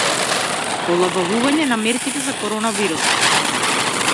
Олабавување на мерките за коронавирусот